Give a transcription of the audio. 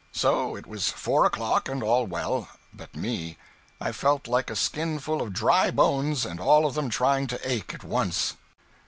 So it was four o'clock and all well but me; I felt like a skinful of dry bones and all of them trying to ache at once.